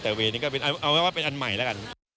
แต่เวย์นี้ก็เป็นอันใหม่แล้วกัน